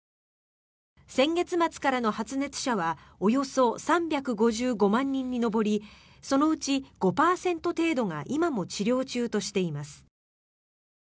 先月末からの発熱者はおよそ３５５万人に上りそのうち５％程度が今も治療中としています。